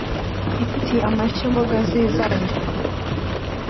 iti «amashyo mbogazizanye»